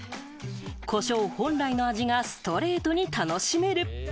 胡椒本来の味がストレートに楽しめる。